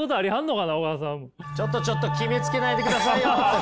ちょっとちょっと決めつけないでくださいよ！